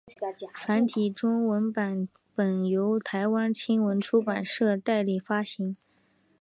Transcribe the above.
繁体中文版本由台湾青文出版社代理发行。